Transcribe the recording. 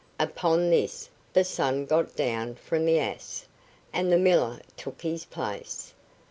Upon this the son got down from the ass, and the miller took his place.